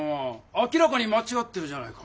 明らかにまちがってるじゃないか！